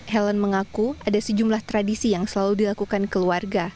helen mengaku ada sejumlah tradisi yang selalu dilakukan keluarga